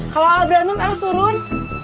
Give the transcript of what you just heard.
kalau aku berantem eros turun